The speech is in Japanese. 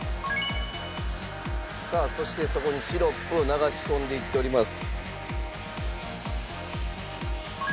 さあそしてそこにシロップを流し込んでいっております。